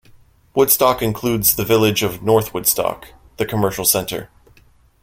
Woodstock includes the village of North Woodstock, the commercial center.